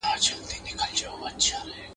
اول ئې زده که، بيا ئې کوزده که.